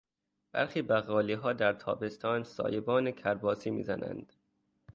برخی بقالیها در تابستان سایبان کرباسی میزنند.